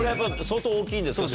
相当大きいんですか